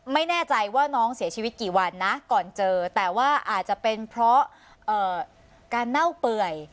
ไม่แน่ใจว่าน้องเสียชีวิตกี่วันนะก่อนเจอแต่ว่าอาจจะเป็นเพราะการเน่าเปื่อย